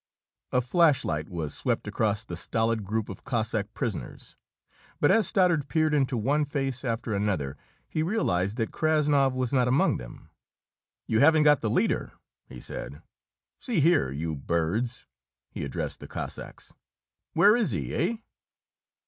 A flashlight was swept across the stolid group of Cossack prisoners, but as Stoddard peered into one face after another, he realized that Krassnov was not among them. "You haven't got the leader," he said. "See here, you birds," he addressed the Cossacks, "where is he, eh?"